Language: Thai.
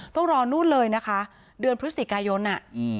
ต้องรอนู่นเลยนะคะเดือนพฤศจิกายน